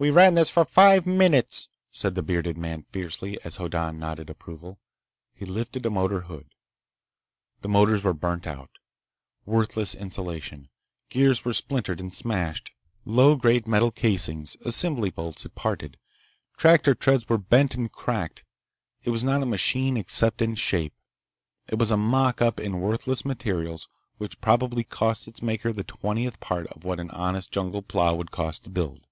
"We ran this for five minutes," said the bearded man fiercely as Hoddan nodded approval. He lifted a motor hood. The motors were burned out. Worthless insulation. Gears were splintered and smashed. Low grade metal castings. Assembly bolts had parted. Tractor treads were bent and cracked. It was not a machine except in shape. It was a mock up in worthless materials which probably cost its maker the twentieth part of what an honest jungle plow would cost to build.